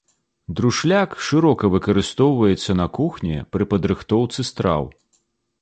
Друшляк шырока выкарыстоўваецца на кухні пры падрыхтоўцы страў.